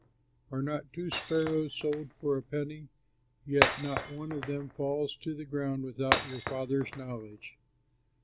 Are not two sparrows sold for a penny? Yet not one of them falls to the ground without your Father's knowledge.